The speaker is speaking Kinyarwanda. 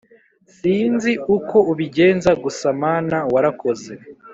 Sinzi uko ubigenza gusa mana warakoze